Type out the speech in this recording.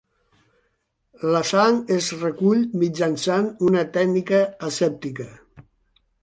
La sang es recull mitjançant una tècnica asèptica.